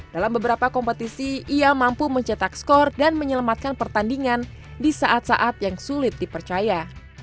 dalam beberapa kompetisi ia mampu mencetak skor dan menyelamatkan pertandingan di saat saat yang sulit dipercaya